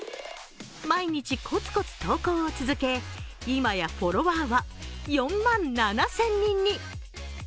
毎日コツコツ投稿を続け、今やフォロワーは４万７０００人に。